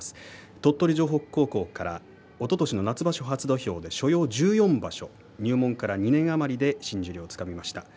鳥取城北高校からおととしの夏場所初土俵で所要１４場所入門から２年余りで新十両をつかみました。